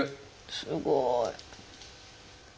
すごい。